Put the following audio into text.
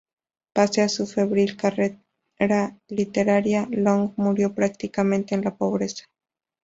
Pese a su febril carrera literaria, Long murió prácticamente en la pobreza.